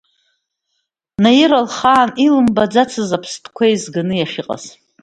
Наира лхаан илымбаӡацыз аԥстәқәа еизганы иахьыҟаз…